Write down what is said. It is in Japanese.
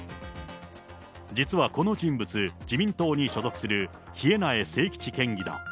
実はこの人物、自民党に所属する稗苗清吉県議だ。